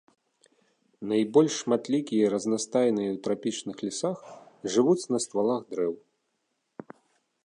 Найбольш шматлікія і разнастайныя ў трапічных лясах, жывуць на ствалах дрэў.